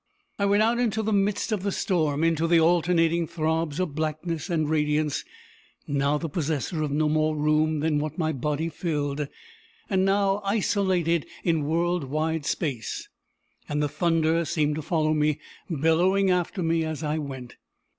I went out into the midst of the storm, into the alternating throbs of blackness and radiance; now the possessor of no more room than what my body filled, and now isolated in world wide space. And the thunder seemed to follow me, bellowing after me as I went.